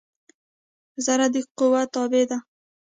ذره د قوؤ تابع ده.